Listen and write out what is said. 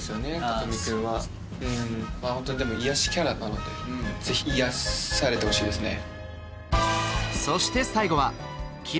巧君はホントに癒やしキャラなのでぜひ癒やされてほしいですね